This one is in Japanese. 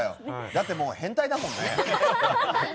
だってもう変態だもんね。